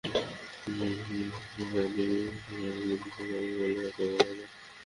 ভবিষ্যতে বাংলাদেশিরা ভারতে গিয়ে অন-অ্যারাইভাল ভিসা পাবে বলে আশা করা যায়।